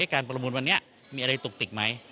การประมูลวันนี้มีอะไรตุกติกไหม